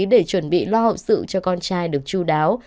để chuẩn bị lo hậu sự cho con trai được chú đáo